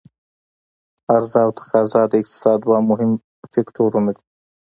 عرضا او تقاضا د اقتصاد دوه مهم فکتورونه دي.